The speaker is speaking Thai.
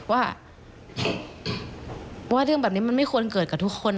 ว่าเรื่องแบบนี้มันไม่ควรเกิดกับทุกคน